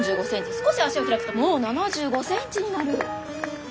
少し足を開くともう７５ｃｍになる。